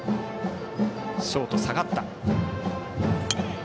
ショート下がった。